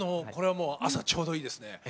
これはもう朝ちょうどいいですね